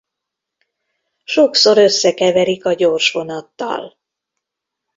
Sokszor összekeverik a gyorsvonattal.